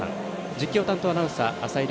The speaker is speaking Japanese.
実況担当アナウンサー浅井僚